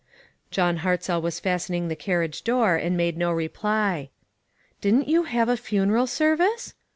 John Hartzell was fastening the carriage door and made no reply. "Didn't you have a funeral service?"